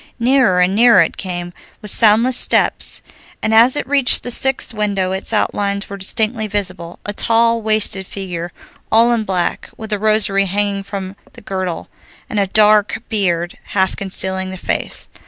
Nearer and nearer it came, with soundless steps, and as it reached the sixth window its outlines were distinctly visible. A tall, wasted figure, all in black, with a rosary hanging from the girdle, and a dark beard half concealing the face.